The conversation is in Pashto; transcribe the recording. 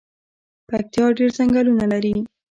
پکتیا ډیر ځنګلونه لري